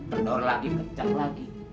kendor lagi kencang lagi